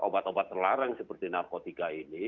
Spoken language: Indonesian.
obat obat terlarang seperti narkotika ini